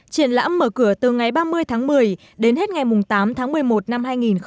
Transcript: triển lãm mở cửa từ ngày ba mươi tháng một mươi đến hết ngày tám tháng một mươi một năm hai nghìn một mươi chín